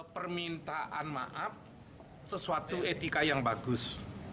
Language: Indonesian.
permintaan maaf sesuatu etika yang bagus